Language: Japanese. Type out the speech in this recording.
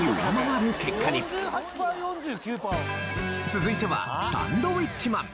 続いてはサンドウィッチマン。